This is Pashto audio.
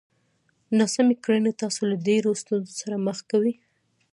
ناسمې کړنې تاسو له ډېرو ستونزو سره مخ کوي!